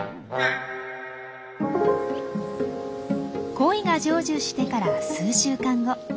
恋が成就してから数週間後。